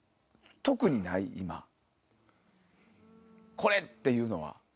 これ！っていうのは。